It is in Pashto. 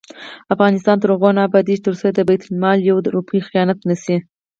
افغانستان تر هغو نه ابادیږي، ترڅو د بیت المال یوه روپۍ خیانت نشي.